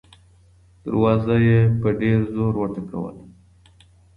دروازه يې په ډېر زور وټکوله.